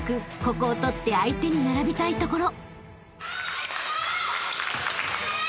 ここを取って相手に並びたいところ］